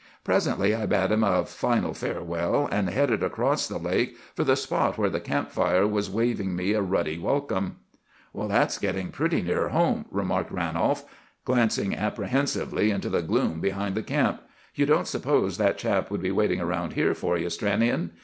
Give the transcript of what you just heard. Presently I bade him a final farewell, and headed across the lake for the spot where the camp fire was waving me a ruddy welcome." "That's getting pretty near home," remarked Ranolf, glancing apprehensively into the gloom behind the camp. "You don't suppose that chap would be waiting around here for you, Stranion?